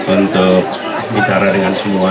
untuk bicara dengan semua